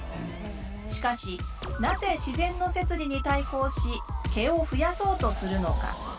しかしなぜ自然の摂理に対抗し毛を増やそうとするのか？